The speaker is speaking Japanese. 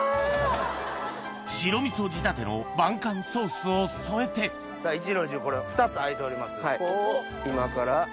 白みそ仕立ての晩柑ソースを添えて壱の重２つ空いております。